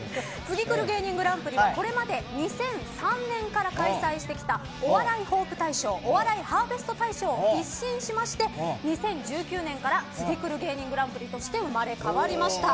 これまで２００３年から開催してきたお笑いホープ大賞お笑いハーベスト大賞を一新して２０１９年からツギクル芸人グランプリとして生まれ変わりました。